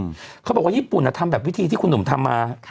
เขาบอกว่าญี่ปุ่นอ่ะทำแบบวิธีที่คุณหนุ่มทำมา